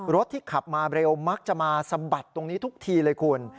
รถที่ขับมาเร็วมักจะมาสะบัดตรงนี้ทุกทีเลยคุณ